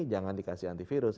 jangan dikasih antivirus